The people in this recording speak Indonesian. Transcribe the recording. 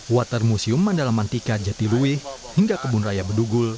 water museum mandala mantika jatiluwe hingga kebun raya bedugul